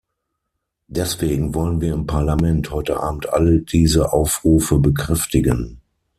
Deswegen wollen wir im Parlament heute Abend all diese Aufrufe bekräftigen.